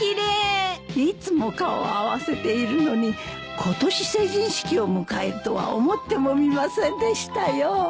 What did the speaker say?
いつも顔を合わせているのに今年成人式を迎えるとは思ってもみませんでしたよ。